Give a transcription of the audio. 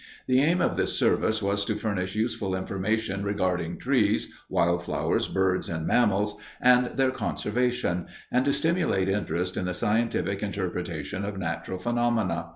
The aim of this service was to furnish useful information regarding trees, wildflowers, birds, and mammals, and their conservation, and to stimulate interest in the scientific interpretation of natural phenomena.